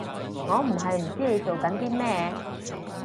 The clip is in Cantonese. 我唔係唔知你做緊啲咩